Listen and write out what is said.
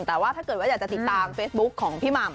แต่ว่าถ้าเกิดว่าอยากจะติดตามเฟซบุ๊คของพี่หม่ำ